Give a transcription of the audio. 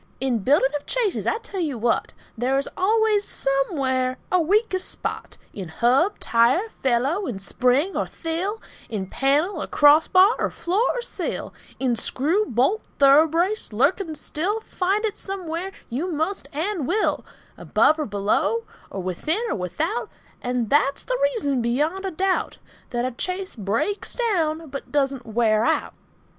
Now in building of chaises, I tell you what, There is always somewhere a weakest spot, In hub, tire, felloe, in spring or thill, In panel, or crossbar, or floor, or sill, In screw, bolt, thoroughbrace, lurking still, Find it somewhere you must and will, Above or below, or within or without, And that's the reason, beyond a doubt, That a chaise breaks down, but doesn't wear out.